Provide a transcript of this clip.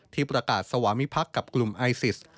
ที่ประกาศสวามิพักษ์กับกลุ่มไอซิส